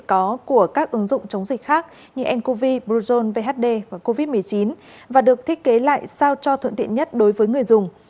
pc covid là ứng dụng tổng hợp có của các ứng dụng chống dịch khác như ncov bruzone vhd và covid một mươi chín và được thiết kế lại sao cho thuận tiện nhất đối với người dùng